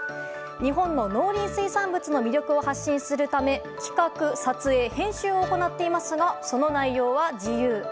日本の農林水産物の魅力を発信するため企画、撮影、編集を行っていますが、その内容は自由。